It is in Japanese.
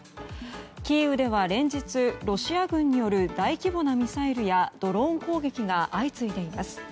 キーウでは連日ロシア軍による大規模なミサイルやドローン攻撃が相次いでいます。